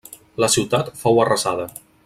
La ciutat fou arrasada.